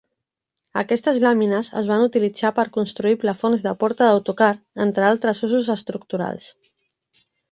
Aquestes làmines es van utilitzar per construir plafons de porta d'autocar, entre altres usos estructurals.